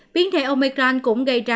biến thể omicron cũng gây ra